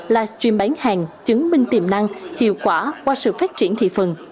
live stream bán hàng chứng minh tiềm năng hiệu quả qua sự phát triển thị phần